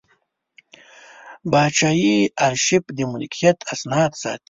پاچاهي ارشیف د ملکیت اسناد ساتي.